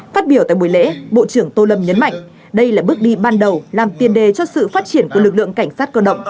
phát biểu tại buổi lễ bộ trưởng tô lâm nhấn mạnh đây là bước đi ban đầu làm tiền đề cho sự phát triển của lực lượng cảnh sát cơ động